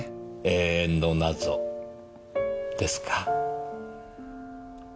永遠の謎ですか。